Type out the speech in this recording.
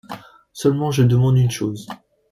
Seulement, je demande une chose